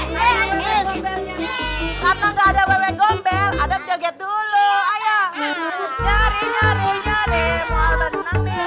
karena enggak ada wewe gomel ada joget dulu ayo nyari nyari nyari mau alat nangis